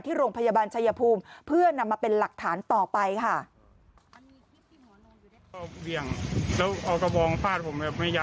โรงพยาบาลชายภูมิเพื่อนำมาเป็นหลักฐานต่อไปค่ะ